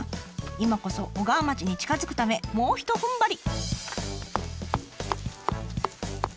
今こそ小川町に近づくためもうひとふんばり。